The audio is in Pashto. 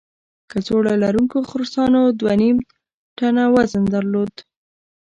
کڅوړه لرونکو خرسانو دوه نیم ټنه وزن درلود.